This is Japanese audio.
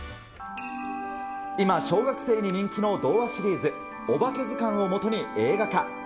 今、小学生に人気の童話シリーズ、おばけずかんをもとに映画化。